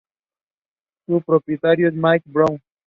Su propietario es Mike Brown.